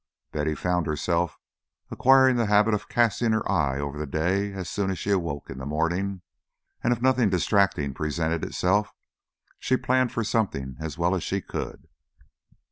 Betty found herself acquiring the habit of casting her eye over the day as soon as she awoke in the morning, and if nothing distracting presented itself, she planned for something as well as she could.